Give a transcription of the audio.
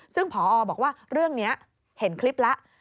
ซึ่งพอบอกว่าเรื่องนี้เห็นคลิปแล้ว